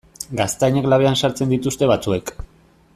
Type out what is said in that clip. Gaztainak labean sartzen dituzte batzuek.